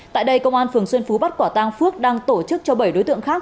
tại đây công an phường xuân phú bắt quả tang phước đang tổ chức cho bảy đối tượng khác